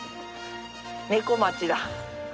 猫町だ。